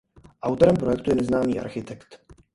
Autorem projektu je neznámý architekt.